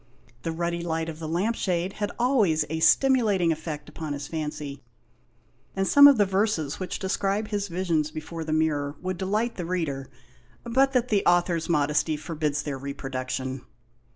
The ruddy light of the lamp shade had always a stimulating effect upon his fancy, and some of the verses which describe his visions before the mirror would delight the reader, but that the author's modesty forbids their reproduction.